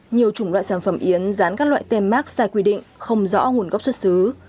nhiều chủng loại sản phẩm yến dán các loại tem mát sai quy định không rõ nguồn gốc xuất xứ